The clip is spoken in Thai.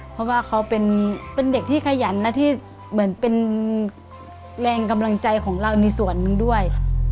เพราะว่าเขาเป็นเด็กที่ขยันนะที่เหมือนเป็นแรงกำลังใจของเราในส่วนหนึ่งด้วย